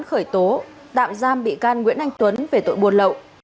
khởi tố tạm giam bị can nguyễn anh tuấn về tội buôn lậu